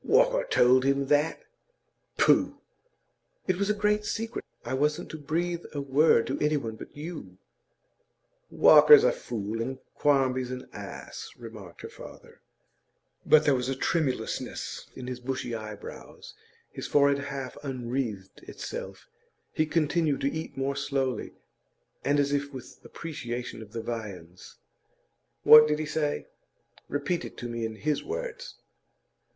'Walker told him that? Pooh!' 'It was a great secret. I wasn't to breathe a word to any one but you.' 'Walker's a fool and Quarmby's an ass,' remarked her father. But there was a tremulousness in his bushy eyebrows; his forehead half unwreathed itself; he continued to eat more slowly, and as if with appreciation of the viands. 'What did he say? Repeat it to me in his words.